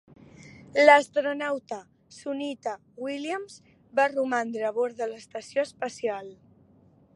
L'astronauta Sunita Williams va romandre a bord de l'estació espacial.